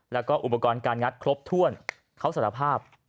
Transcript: แล้วก็อุปกรณ์การงัดครบถ้วนเขาสารภาพ